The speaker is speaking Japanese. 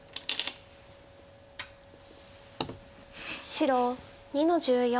白２の十四。